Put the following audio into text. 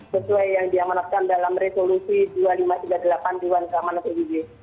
sesuai yang diamanatkan dalam resolusi dua ribu lima ratus tiga puluh delapan dewan keamanan pbb